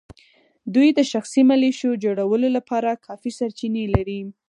دوی د شخصي ملېشو جوړولو لپاره کافي سرچینې لري.